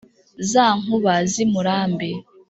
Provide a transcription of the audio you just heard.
Za nkuba zi Murambi,